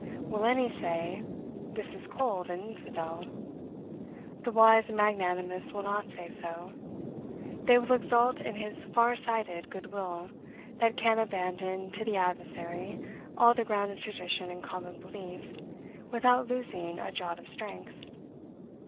Will any say, this is cold and infidel? The wise and magnanimous will not say so. They will exult in his far sighted good will, that can abandon to the adversary all the ground of tradition and common belief, without losing a jot of strength.